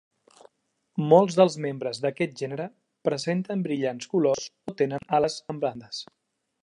Molts dels membres d'aquest gènere presenten brillants colors o tenen ales amb bandes.